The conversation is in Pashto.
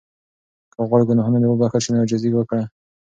که غواړې ګناهونه دې وبخښل شي نو عاجزي وکړه.